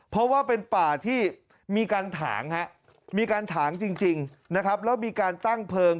เพราะว่าเป็นป่าที่มีการถางฮะมีการถางจริงนะครับแล้วมีการตั้งเพลิง